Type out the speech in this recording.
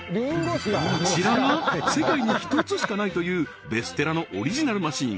こちらが世界に１つしかないというベステラのオリジナルマシン